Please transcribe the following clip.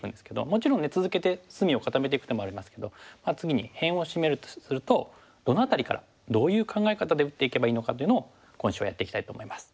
もちろんね続けて隅を固めていく手もありますけど次に辺をシメるとするとどの辺りからどういう考え方で打っていけばいいのかというのを今週はやっていきたいと思います。